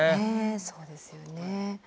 そうですよね。